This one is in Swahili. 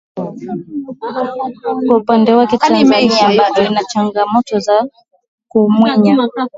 Kwa upande wake Tanzania bado inachangamoto za kuminywa